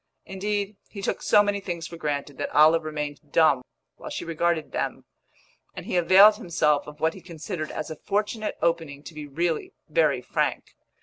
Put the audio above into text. Indeed, he took so many things for granted that Olive remained dumb while she regarded them; and he availed himself of what he considered as a fortunate opening to be really very frank.